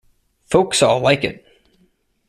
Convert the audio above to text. Folks all like it.